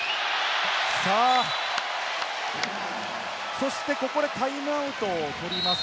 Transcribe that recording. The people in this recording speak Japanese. そしてここでタイムアウトを取ります。